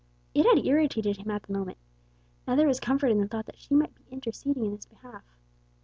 It had irritated him at the moment. Now there was comfort in the thought that she might be interceding in his behalf.